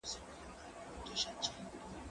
زه مخکي لوښي وچولي وو؟!